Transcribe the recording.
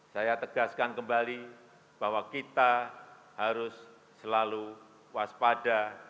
saya tegaskan kembali bahwa kita harus selalu waspada